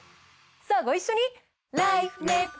さぁご一緒に！